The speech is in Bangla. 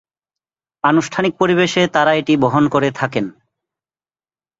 আনুষ্ঠানিক পরিবেশে তারা এটি বহন করে থাকেন।